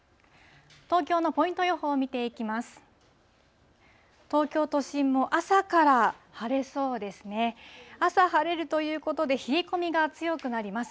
東京のポイント予報を見ていきます。